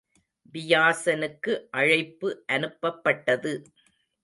வியாசனுக்கு அழைப்பு அனுப்பப்பட்டது.